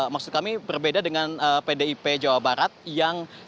maksud kami berbeda dengan pdip jawa barat yang